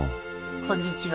こんにちは。